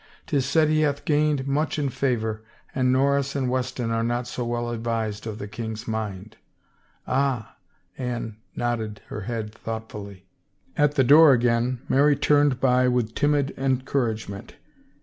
'Tis said he hath gained much in favor and Norris and Wes ton are not so well advised of the king's mind." " Ah !" Anne nodded her head thoughtfully. At the door again Mary turned back with timid en couragement.